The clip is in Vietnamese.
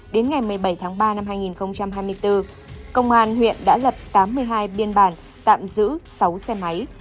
đến ngày một mươi bảy tháng ba năm hai nghìn hai mươi bốn công an huyện đã lập tám mươi hai biên bản tạm giữ sáu xe máy